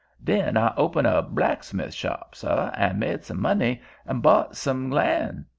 "Den I open a blacksmith shop, suh, and made some money and bought some lan'.